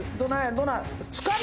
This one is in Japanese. どない？」